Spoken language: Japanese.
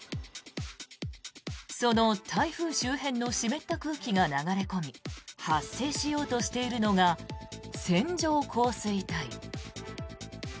その台風周辺の湿った空気が流れ込み発生しようとしているのが線状降水帯。